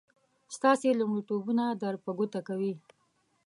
ستاسې لومړيتوبونه در په ګوته کوي.